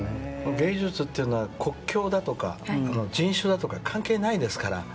芸術というのは国境だとか人種だとか関係ないですから。